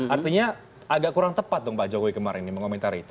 artinya agak kurang tepat dong pak jokowi kemarin mengomentari itu